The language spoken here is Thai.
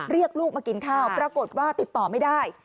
เรียกลูกมากินข้าวปรากฏว่าติดต่อไม่ได้